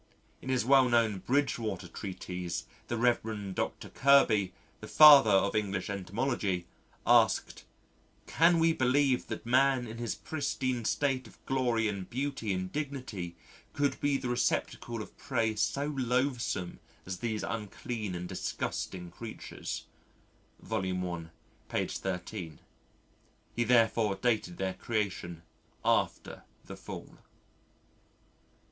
In his well known Bridgewater Treatise, the Rev. Dr. Kirby, the Father of English Entomology, asked: "Can we believe that man in his pristine state of glory and beauty and dignity could be the receptacle of prey so loathesome as these unclean and disgusting creatures?" (Vol. I., p. 13). He therefore dated their creation after the Fall.